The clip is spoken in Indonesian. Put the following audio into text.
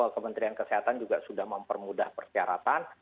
kementerian kesehatan juga sudah mempermudah persyaratan